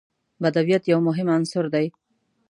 بدویت یو مهم عنصر دی.